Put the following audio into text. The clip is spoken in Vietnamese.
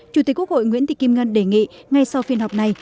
chủ tịch quốc hội nguyễn thị kim ngân đề nghị ngay sau phiên họp này